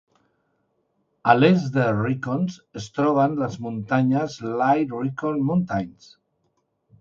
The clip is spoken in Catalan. A l'est de Rincons es troben les muntanyes Little Rincon Mountains.